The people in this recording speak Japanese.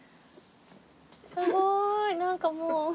すごーい何かもう。